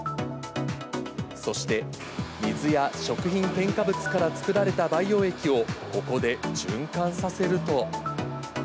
そして水や食品添加物から作られた培養液を、ここで循環させると。